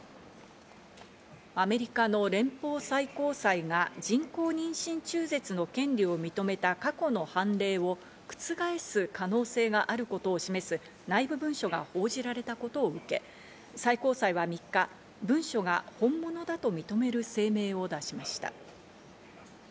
アメリカの連邦最高裁が人工妊娠中絶の権利を認めた過去の判例を覆す可能性があることを示す内部文書が報じられたことを受け最高裁は３日、文書が本物だと認める声明を出しました。